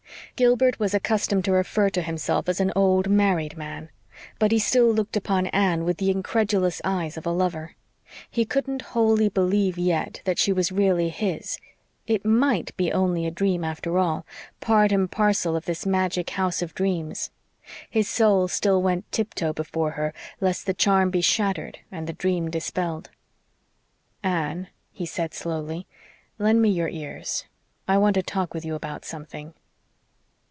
Gilbert was accustomed to refer to himself as "an old married man." But he still looked upon Anne with the incredulous eyes of a lover. He couldn't wholly believe yet that she was really his. It MIGHT be only a dream after all, part and parcel of this magic house of dreams. His soul still went on tip toe before her, lest the charm be shattered and the dream dispelled. "Anne," he said slowly, "lend me your ears. I want to talk with you about something."